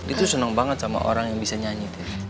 itu seneng banget sama orang yang bisa nyanyi tin